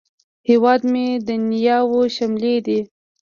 هیواد مې د نیاوو شملې دي